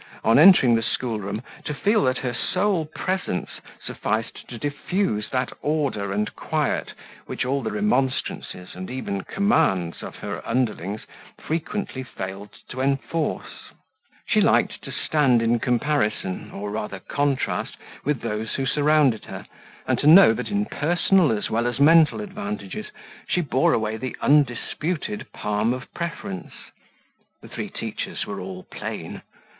on entering the school room, to feel that her sole presence sufficed to diffuse that order and quiet which all the remonstrances, and even commands, of her underlings frequently failed to enforce; she liked to stand in comparison, or rather contrast, with those who surrounded her, and to know that in personal as well as mental advantages, she bore away the undisputed palm of preference (the three teachers were all plain.)